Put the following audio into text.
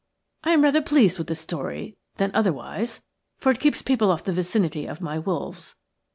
I am rather pleased with the story than otherwise, for it keeps people off the vicinity of my wolves.